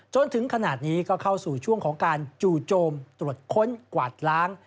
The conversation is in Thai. จนถึงขนาดนี้ก็เข้าสู่ช่วงของการจู่โจมตรวจค้นกวาดล้าง